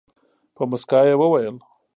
په موسکا یې وویل.